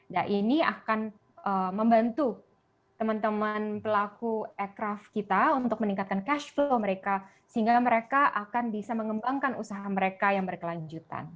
dan ini akan membantu teman teman pelaku aircraft kita untuk meningkatkan cash flow mereka sehingga mereka akan bisa mengembangkan usaha mereka yang berkelanjutan